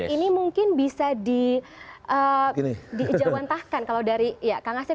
ini mungkin bisa dijawantahkan kalau dari kang asep